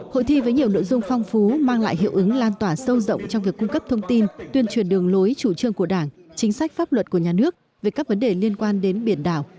hội thi với nhiều nội dung phong phú mang lại hiệu ứng lan tỏa sâu rộng trong việc cung cấp thông tin tuyên truyền đường lối chủ trương của đảng chính sách pháp luật của nhà nước về các vấn đề liên quan đến biển đảo